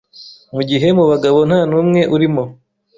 mu gihe mu bagabo ntanumwe urimo